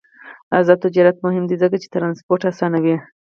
آزاد تجارت مهم دی ځکه چې ترانسپورت اسانوي.